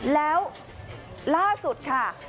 แล้วล่าสุดค่ะ